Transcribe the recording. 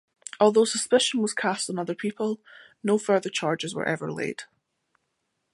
Although suspicion was cast on other people, no further charges were ever laid.